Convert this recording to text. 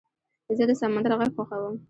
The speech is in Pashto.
زه د سمندر غږ خوښوم.